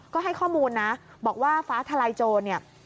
ก็ให้ข้อมูลนะบอกว่าฟ้าทลายโจรเนี่ย